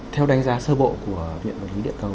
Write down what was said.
theo đánh giá sơ bộ của viện bản lý điện cầu